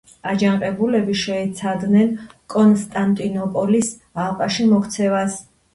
აჯანყებულები შეეცადნენ კონსტანტინოპოლის ალყაში მოქცევას.